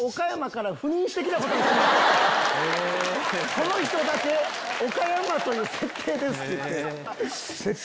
「この人だけ岡山という設定です」って言って。